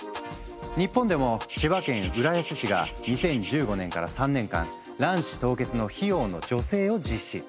日本でも千葉県浦安市が２０１５年から３年間卵子凍結の費用の助成を実施。